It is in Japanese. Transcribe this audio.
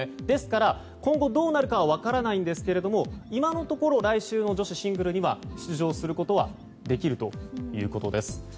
ですから、今後どうなるかは分かりませんが今のところ、来週の女子シングルには出場することはできるということです。